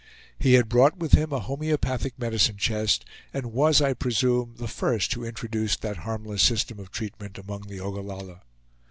He had brought with him a homeopathic medicine chest, and was, I presume, the first who introduced that harmless system of treatment among the Ogallalla.